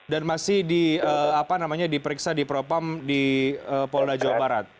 dan masih di apa namanya diperiksa di propam di polda jawa barat